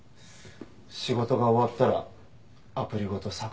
「仕事が終わったらアプリごと削除しろって」